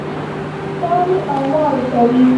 تاوې او ماوې کوي.